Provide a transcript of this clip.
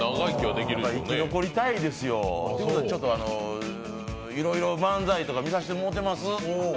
生き残りたいですよ。ということで、いろいろ漫才とか見させてもろてます。